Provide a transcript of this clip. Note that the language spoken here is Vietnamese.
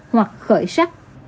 hoặc khởi sắc